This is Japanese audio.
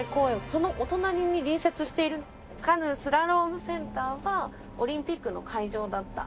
そのお隣に隣接しているカヌー・スラロームセンターはオリンピックの会場だった。